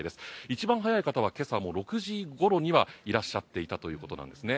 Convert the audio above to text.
一番早い方は今朝６時ごろにはいらっしゃっていたということです。